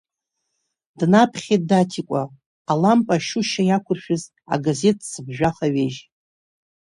Днаԥхьеит Даҭикәа, алампа ашьушьа иақәыршәыз агазеҭ цыԥжәаха ҩежь.